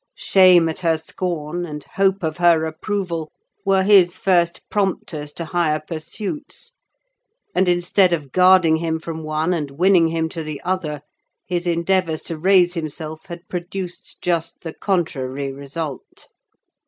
Shame at her scorn, and hope of her approval, were his first prompters to higher pursuits; and instead of guarding him from one and winning him to the other, his endeavours to raise himself had produced just the contrary result.